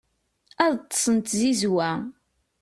ad ṭṭsen d tzizwa